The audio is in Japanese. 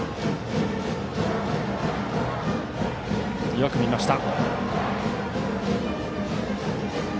よく見ました。